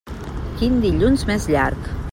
Quin dilluns més llarg!